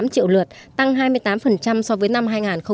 một mươi hai tám triệu lượt tăng hai mươi tám so với năm hai nghìn một mươi sáu